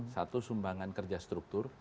satu sumbangan kerja struktur